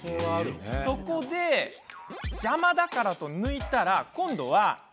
そこで邪魔なので抜いたら、今度は。